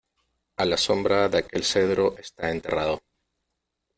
a la sombra de aquel cedro está enterrado.